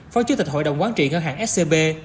phó chủ tịch hội đồng quán trị ngân hàng scb